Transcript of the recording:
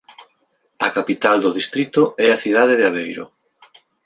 A capital do distrito é a cidade de Aveiro.